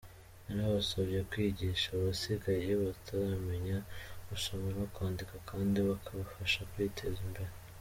Yanabasabye kwigisha abasigaye bataramenya gusoma no kwandika kandi bakabafasha kwiteza imbere.